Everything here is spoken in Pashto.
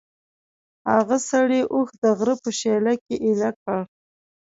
هغه سړي اوښ د غره په شېله کې ایله کړ.